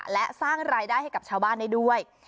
และสร้างรายได้ให้กับชาวบ้านได้ด้วย